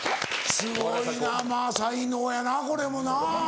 すごいなまぁ才能やなこれもなぁ。